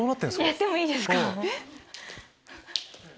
やってもいいですか。